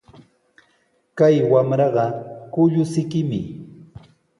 Kay wamraqa kullusikimi.